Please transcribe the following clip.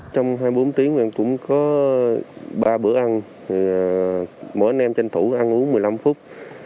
trong hai mươi bốn tiếng em cũng có ba bữa ăn mỗi anh em tranh thủ ăn uống một mươi năm phút